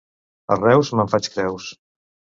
A Reus me'n faig creus.